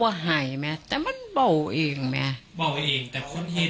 และงั้นขับสนุกของผมตอนนี้